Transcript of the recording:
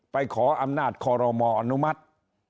ขออำนาจคอรมออนุมัติ